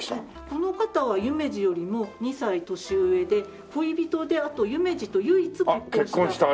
この方は夢二よりも２歳年上で恋人であと夢二と唯一結婚した。